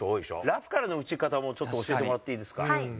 ラフからの打ち方もちょっと教えてもらっていいですか？